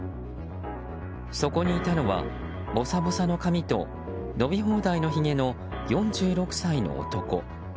そこにいたのはぼさぼさの髪と伸び放題のひげの４６歳の男。